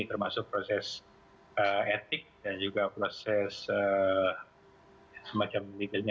termasuk proses etik dan juga proses semacam berikutnya